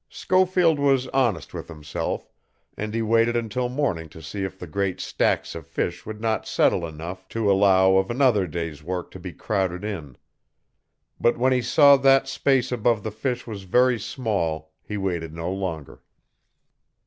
Schofield was honest with himself, and he waited until morning to see if the great stacks of fish would not settle enough to allow of another day's work to be crowded in. But when he saw that space above the fish was very small he waited no longer.